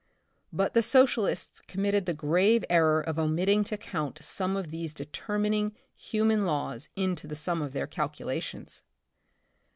But the Socialists committed the grave error of omitting to count some of these determining human laws into the sum of their calculations.